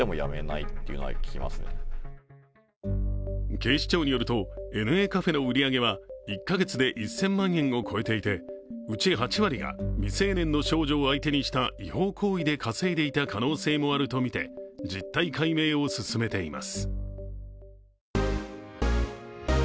警視庁によるとＮＡカフェの売り上げは１か月で１０００万円を超えていて、うち８割が未成年の少女を相手にした違法行為で稼いでいた可能性もあるとみて実態解明を進めています。